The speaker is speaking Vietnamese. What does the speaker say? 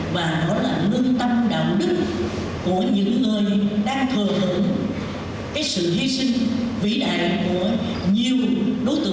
mà nó là lương tâm đạo đức của những người đang thờ hưởng cái sự hy sinh vĩ đại của nhiều đối tượng